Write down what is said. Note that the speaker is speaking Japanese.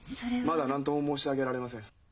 まだ何とも申し上げられません。